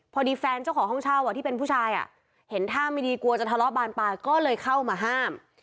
พอดีแฟนเจ้าของห้องเช่าที่เป็นผู้ชายเห็นท่าไม่ดีกลัวจะทะเลาะบานปลายก็เลยเข้ามาห้าม